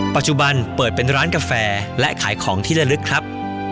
ปัจจุบันเปิดเป็นร้านกาแฟและขายของที่ละลึกครับ